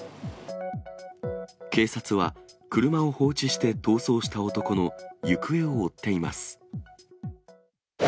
警察は車を放置して逃走した男の行方を追っています。